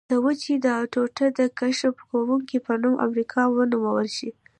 د وچې دا ټوټه دې د کشف کوونکي په نوم امریکا ونومول شي.